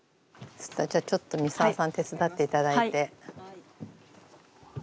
じゃあちょっと三澤さん手伝って頂いて。